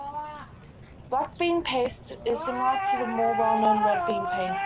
Black bean paste is similar to the more well-known red bean paste.